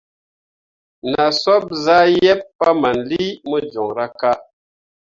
Na soɓ zah yeb pahmanlii mo joŋra ka.